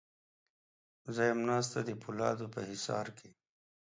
زه یم ناسته د پولادو په حصار کې